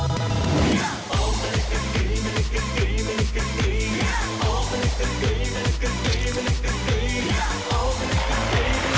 อย่ากลั้นครับ